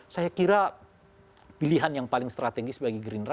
saya kira pilihan yang paling strategis bagi gerindra